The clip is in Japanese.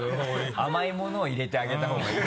甘いものを入れてあげたほうがいいと。